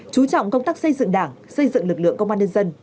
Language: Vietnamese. chú trọng công tác xây dựng đảng xây dựng lực lượng công an nhân dân